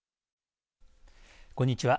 こんにちは。